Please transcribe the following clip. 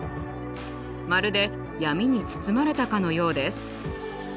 まるで闇に包まれたかのようです。